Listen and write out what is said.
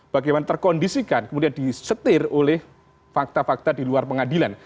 bagaimana terkondisikan kemudian disetir oleh fakta fakta di luar pengadilan